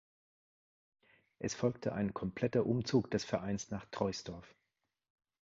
Es folgte ein kompletter Umzug des Vereins nach Troisdorf.